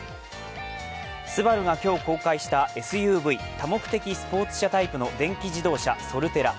ＳＵＢＡＲＵが今日、公開したＳＵＶ＝多目的スポーツ車タイプの電気自動車、ソルテラ。